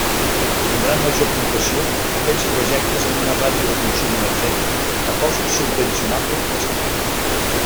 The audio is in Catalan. Tindran major puntuació aquells projectes amb una ràtio de consum energètic a cost subvencionable més gran.